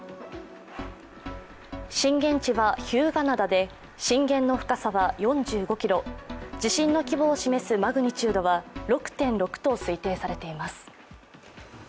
震源地は日向灘で震源の深さは４５ｋｍ地震の規模を示すマグニチュードは６．６と推定されています。